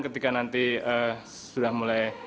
ketika nanti sudah mulai